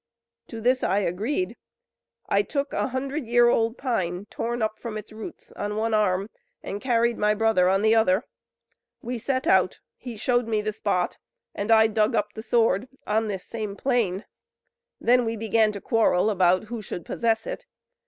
"To this I agreed. I took a hundred year old pine torn up from its roots on one arm, and carried my brother on my other. We set out; he showed me the spot, and I dug up the sword, on this same plain. Then we began to quarrel about who should possess it.